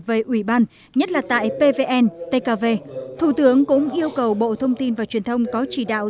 về ủy ban nhất là tại pvn tkv thủ tướng cũng yêu cầu bộ thông tin và truyền thông có chỉ đạo